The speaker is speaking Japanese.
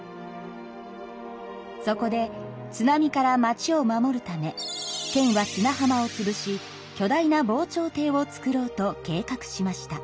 そこで津波から町を守るため県は砂浜をつぶし巨大な防潮堤を造ろうと計画しました。